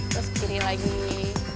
terus kiri lagi